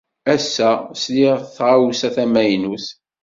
Ass-a, sliɣ i tɣawsa d tamaynut.